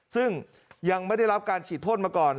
ซึ่งยังไม่ได้รับการฉีดพ่นมาก่อน